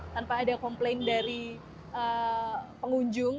tanpa ada komplain dari pengunjung